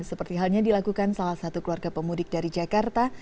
seperti halnya dilakukan salah satu keluarga pemudik dari jakarta